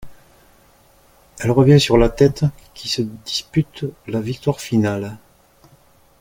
Elle revient sur la tête, qui se dispute la victoire finale.